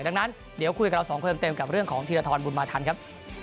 ดังนั้นเดี๋ยวคุยกับเราสองคนเต็มกับเรื่องของธีรทรบุญมาทันครับ